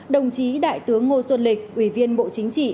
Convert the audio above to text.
đồng chí đại tướng ngô xuân lịch ủy viên bộ chính trị